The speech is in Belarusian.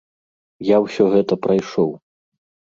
Я ўсё гэта прайшоў.